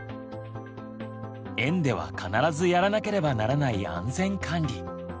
園では必ずやらなければならない安全管理。